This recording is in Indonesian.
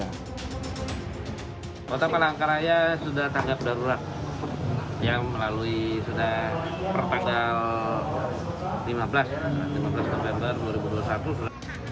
kota palangkaraya sudah tanggap darurat yang melalui sudah pertanggal lima belas november dua ribu dua puluh satu sudah